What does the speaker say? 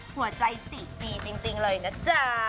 หัวใจ๔๔จริงเลยนะจ๊ะ